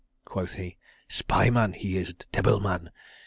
quoth he. "Spy man he is. Debbil man.